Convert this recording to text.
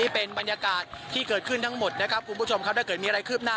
เป็นบรรยากาศที่เกิดขึ้นทั้งหมดนะครับคุณผู้ชมครับถ้าเกิดมีอะไรคืบหน้า